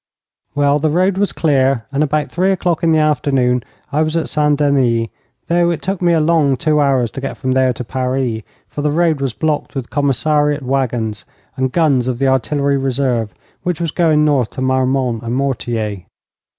Well, the road was clear, and about three o'clock in the afternoon I was at St Denis, though it took me a long two hours to get from there to Paris, for the road was blocked with commissariat waggons and guns of the artillery reserve, which was going north to Marmont and Mortier.